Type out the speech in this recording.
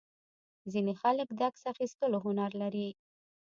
ځینې خلک د عکس اخیستلو هنر لري.